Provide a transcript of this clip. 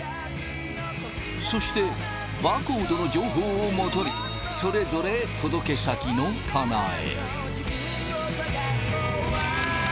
そしてバーコードの情報をもとにそれぞれ届け先の棚へ。